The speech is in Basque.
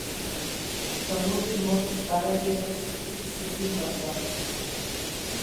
Taburdimok, arabieraz, hitz zikin bat da.